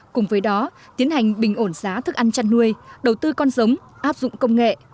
cùng với đó tiến hành bình ổn giá thức ăn chăn nuôi đầu tư con giống áp dụng công nghệ